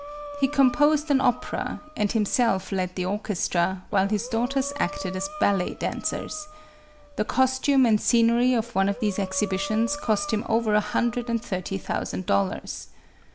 He composed an opera, and himself led the orchestra, while his daugh ters acted as ballet dancers. The costume and scenery of one of these exhibitions cost him over a hundred and thirty thousand dollars.